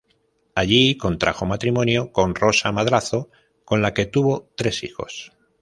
Allí contrajo matrimonio con Rosa Madrazo con la que tuvo tres hijos.